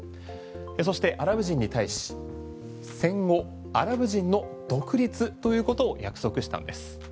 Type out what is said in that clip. そしてアラブ人に対し、戦後アラブ人の独立ということを約束したんです。